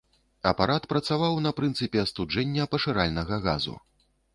Апарат працаваў на прынцыпе астуджэння пашыральнага газу.